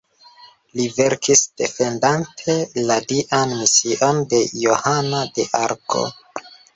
Li verkis defendante la dian mision de Johana de Arko.